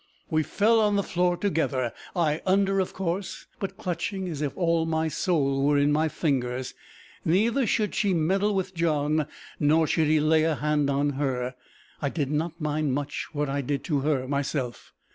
We fell on the floor together, I under of course, but clutching as if all my soul were in my fingers. Neither should she meddle with John, nor should he lay hand on her! I did not mind much what I did to her myself.